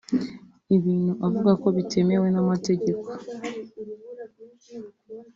ibintu avuga ko bitemewe n’amategeko